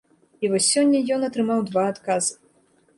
І вось сёння ён атрымаў два адказы.